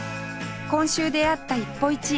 今週出会った一歩一会